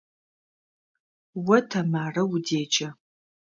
О Тэмарэ удеджэ.